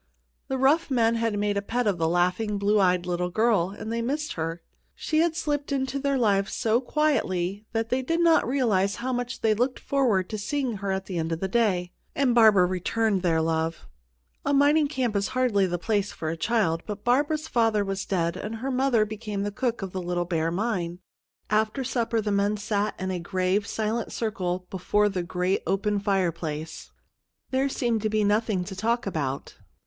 The rough men had made a pet of the laughing, blue eyed little girl, and they missed her. She had slipped into their lives so quietly that they did not realize how much they looked forward to seeing her at the end of the day. And Barbara returned their love. A mining camp is hardly the place for a child, but Barbara's father was dead, and her mother became the cook at the Little Bear Mine. After supper the men sat in a grave, silent circle before the great open fireplace. There seemed to be nothing to talk about.